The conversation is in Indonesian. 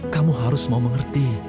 kamu harus mau mengerti